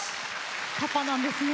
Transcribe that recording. パパなんですね。